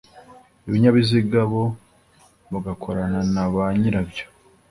ibinyabiziga bo bagakorana na ba nyirabyo